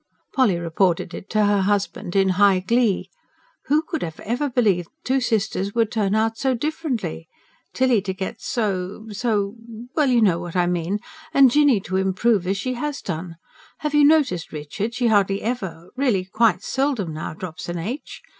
Polly reported it to her husband in high glee. "Who could ever have believed two sisters would turn out so differently? Tilly to get so ... so ... well, you know what I mean ... and Jinny to improve as she has done. Have you noticed, Richard, she hardly ever really quite seldom now drops an h?